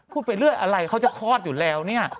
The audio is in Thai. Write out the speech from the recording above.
ไปเรื่อยอะไรเขาจะคลอดอยู่แล้วเนี่ย